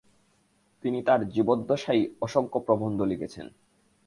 তিনি তার জীবদ্দশায়ই অসংখ্য প্রবন্ধ লিখেছেন।